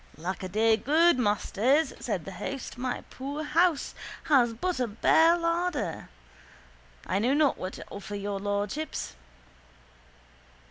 —Lackaday, good masters, said the host, my poor house has but a bare larder. I know not what to offer your lordships.